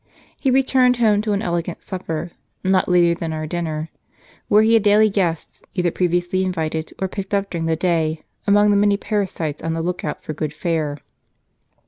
He returned home to an elegant supper, not later than our dinner; where he had daily guests, either previously invited, or picked up during the day, among the many parasites on the look out for good fare.